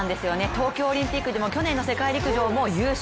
東京オリンピックでも去年の世界陸上でも優勝。